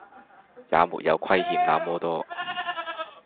也沒有虧欠那麼多